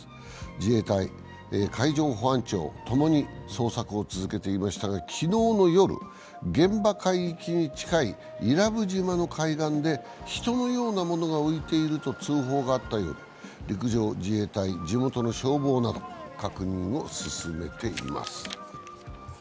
自衛隊は海上保安庁とともに捜索を続けていましたが昨日の夜、現場海域に近い伊良部島の海岸で人のようなものが浮いていると通報があったようで陸上自衛隊、地元の消防などが確認を進めています。